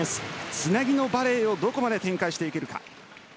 つなぎのバレーをどこまで展開していけるか。